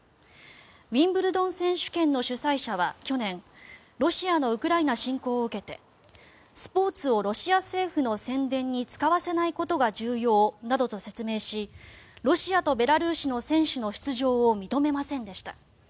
ウィンブルドン選手権の主催者は去年ロシアのウクライナ侵攻を受けてスポーツをロシア政府の宣伝に使わせないことが重要などと説明しロシアとベラルーシの選手の出場を認めませんでした。